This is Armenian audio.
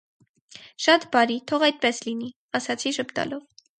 - Շատ բարի, թող այդպես լինի,- ասացի ժպտալով.